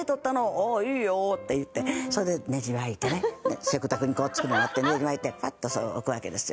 「ああいいよ」って言ってそれでネジ巻いてね食卓につくのを待ってネジ巻いてパッとそれを置くわけですよ。